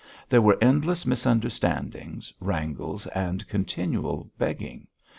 There were endless misunderstandings, wrangles, and continual begging.